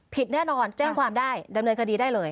แน่นอนแจ้งความได้ดำเนินคดีได้เลย